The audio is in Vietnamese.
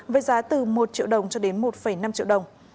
với giá từ một triệu đồng cho đến một năm triệu đồng